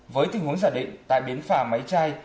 với tình huống giả định tại biến phà máy chai